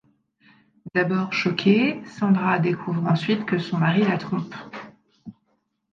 D'abord choquée, Sandra découvre ensuite que son mari la trompe.